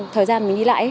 thời gian mình đi lại